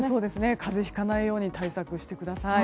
風邪をひかないように対策してください。